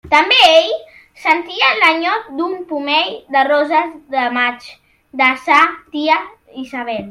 També ell sentia l'enyor d'un pomell de roses de maig de sa tia Isabel.